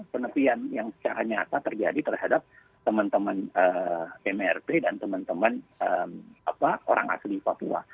penepian yang secara nyata terjadi terhadap teman teman mrp dan teman teman orang asli papua